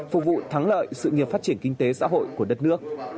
phục vụ thắng lợi sự nghiệp phát triển kinh tế xã hội của đất nước